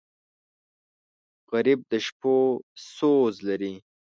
غریب د شپو سوز لري